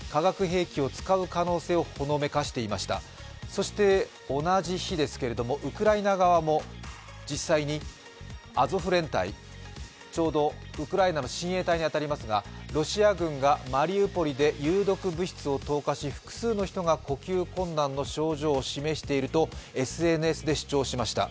そして、同じ日ですけどもウクライナ側も実際にアゾフ連隊、ちょうどウクライナの親衛隊に当たりますがロシア軍がマリウポリで有毒物質を投下し複数の人が呼吸困難の症状を示しているとＳＮＳで主張しました。